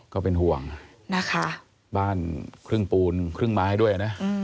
ก็เป็นห่วงนะคะบ้านครึ่งปูนครึ่งไม้ด้วยนะ